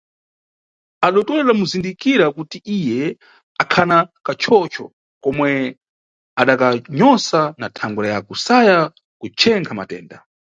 Adotolo adamuzindikira kuti iye akhana kachocho komwe adakanyosa na thangwe ya kusaya kuchekha matenda.